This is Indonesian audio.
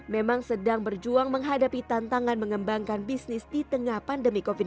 memang sedang berjuang menghadapi tantangan mengembangkan bisnis di tengah pandemi covid sembilan belas